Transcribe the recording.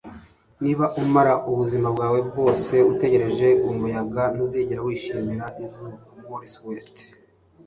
Niba umara ubuzima bwawe bwose utegereje umuyaga, ntuzigera wishimira izuba.” —Morris West